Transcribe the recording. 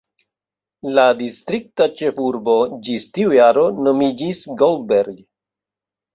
La distrikta ĉefurbo ĝis tiu jaro nomiĝis "Goldberg".